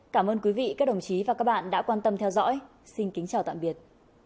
cảm ơn các đồng chí và các bạn đã quan tâm theo dõi xin kính chào tạm biệt